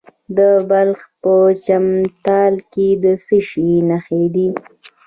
د بلخ په چمتال کې د څه شي نښې دي؟